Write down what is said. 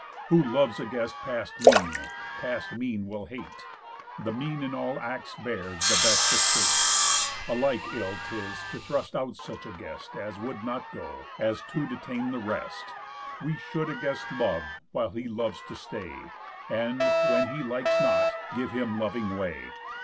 Who loves a guest past mean, past mean will hate, The mean in all acts bears the best estate. A like ill 'tis, to thrust out such a guest As would not go, as to detain the rest. We should a guest love, while he loves to stay, And, when he likes not, give him loving way.